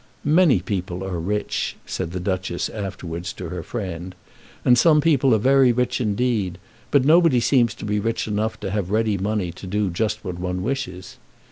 "Many people are rich," said the Duchess afterwards to her friend, "and some people are very rich indeed; but nobody seems to be rich enough to have ready money to do just what he wishes.